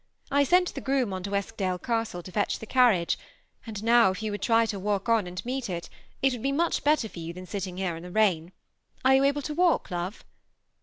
I sent the groom on to 'EtkStile Castle, to fetdi the carriage ; and now, if jon would trj to walk on and meet it, it would be much better for you than sitting there in the rain. Are jou able to walk, love